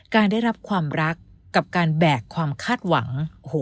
การได้รับความรักกับการแบกความคาดหวัง